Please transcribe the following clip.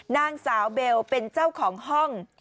นางสาวเบลเป็นเจ้าของห้อง